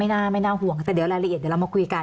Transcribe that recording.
น่าไม่น่าห่วงแต่เดี๋ยวรายละเอียดเดี๋ยวเรามาคุยกัน